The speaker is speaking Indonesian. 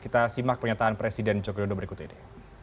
kita simak pernyataan presiden jokowi berikut ini